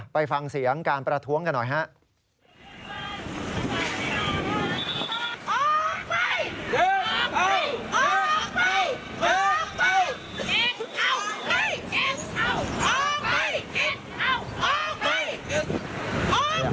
ไปฟังเสียงการประท้วงกันหน่อยครับ